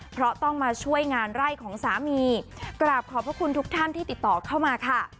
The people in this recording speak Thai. เพราะต้องมาช่วยงานไร่ของสามีกราบขอบพระคุณทุกท่านที่ติดต่อเข้ามาค่ะ